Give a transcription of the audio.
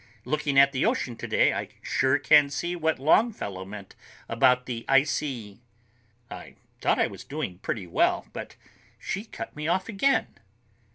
Looking at the ocean today, I sure can see what Longfellow meant about the icy...." I thought I was doing pretty well, but she cut me off again.